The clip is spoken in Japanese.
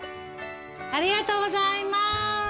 ありがとうございます。